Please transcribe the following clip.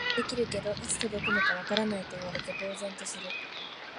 予約はできるけど、いつ届くのかわからないと言われて呆然とする